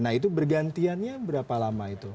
nah itu bergantiannya berapa lama itu